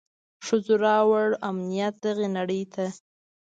ښځو راووړ امنيت دغي نړۍ ته.